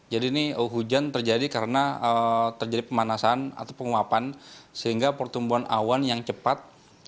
jadi ini hujan terjadi karena terjadi pemanasan atau penguapan sehingga pertumbuhan awan yang cepat